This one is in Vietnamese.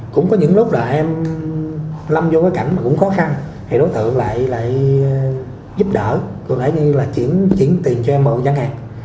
cũng có những lúc là em lâm vô cái cảnh mà cũng khó khăn thì đối tượng lại lại giúp đỡ có lẽ như là chuyển tiền cho em màu chẳng hạn